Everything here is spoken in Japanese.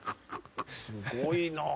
すごいな！